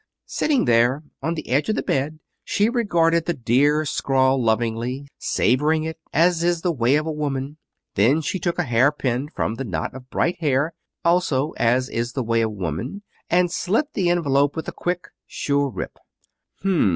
Sitting there on the edge of the bed she regarded the dear scrawl lovingly, savoring it, as is the way of a woman. Then she took a hairpin from the knot of bright hair (also as is the way of woman) and slit the envelope with a quick, sure rip.